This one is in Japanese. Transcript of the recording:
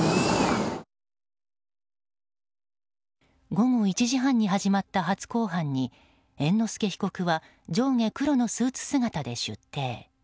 午後１時半に始まった初公判に猿之助被告は上下黒のスーツ姿で出廷。